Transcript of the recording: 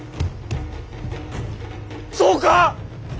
そうか！